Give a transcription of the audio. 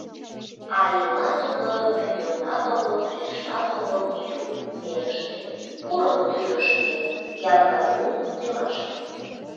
А ила тудо мӱндырнат огыл, лишнат огыл — Юл серыште, курык тӱрыштӧ, Янгаюл селаште.